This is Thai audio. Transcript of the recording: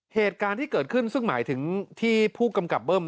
เหตุการณ์ที่เกิดขึ้นซึ่งหมายถึงที่ผู้กำกับเบิ้ม